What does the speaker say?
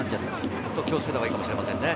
ちょっと気をつけたほうがいいかもしれませんね。